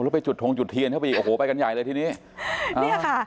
พอแล้วไปจุดทรงจุดเทียนเข้าไปโอ้โหไปกันใหญ่เลยทีนี้เนี่ยค่ะ